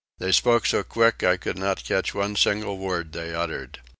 They spoke so quick that I could not catch one single word they uttered.